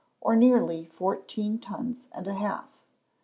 or nearly fourteen tons and a half.